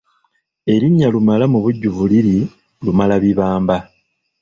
Erinnya Lumala mubujjuvu liri Lumalabibamba.